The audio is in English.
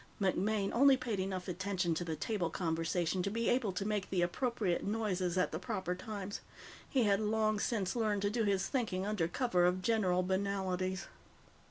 MacMaine only paid enough attention to the table conversation to be able to make the appropriate noises at the proper times. He had long since learned to do his thinking under cover of general banalities.